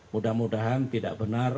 mudah mudahan tidak berkecil hati